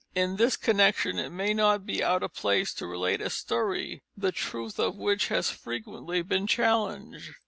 In this connection it may not be out of place to relate a story, the truth of which has frequently been challenged.